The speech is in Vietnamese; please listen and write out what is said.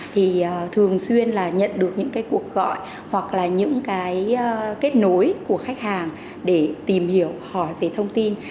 thì thường xuyên là nhận được những cái cuộc gọi hoặc là những cái kết nối của khách hàng để tìm hiểu hỏi về thông tin